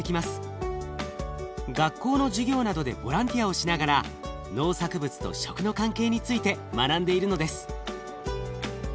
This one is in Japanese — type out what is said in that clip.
学校の授業などでボランティアをしながら農作物と食の関係について学んでいるのです。